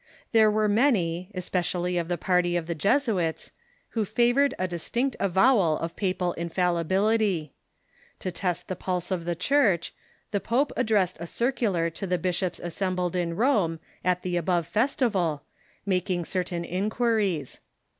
There were many, especially of the party of the Jesuits, who favored a distinct avowal of papal infallibilitj. To test the pulse of the Church, the pope addressed a circular to the bishops assembled in Rome at the above festival, mak ing certain inquiries.